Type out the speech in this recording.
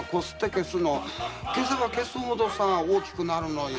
消せば消すほど大きくなるのよ」